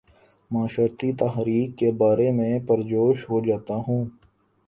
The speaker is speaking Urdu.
معاشرتی تحاریک کے بارے میں پر جوش ہو جاتا ہوں